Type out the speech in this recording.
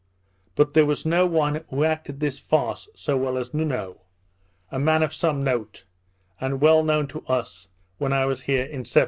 But there was no one who acted this farce so well as Nuno, a man of some note, and well known to us when I was here in 1769.